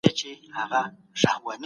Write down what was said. اسلام د ملکیت په حق کي اعتدال لري.